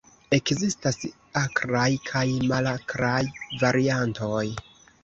Ekzistas akraj kaj malakraj variantoj.